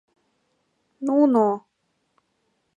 Нуно-о-о!..